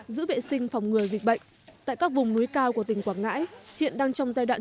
giữ vệ sinh phòng ngừa dịch bệnh tại các vùng núi cao của tỉnh quảng ngãi hiện đang trong giai đoạn